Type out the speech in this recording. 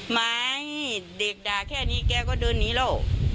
ไม่เด็กด่าแค่นี้แกก็เดินหนีแล้ว